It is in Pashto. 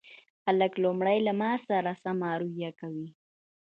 خلک لومړی له ما سره سمه رويه کوي